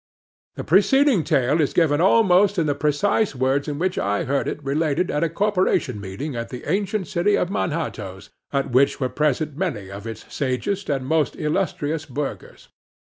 The preceding tale is given almost in the precise words in which I heard it related at a Corporation meeting at the ancient city of Manhattoes, at which were present many of its sagest and most illustrious burghers.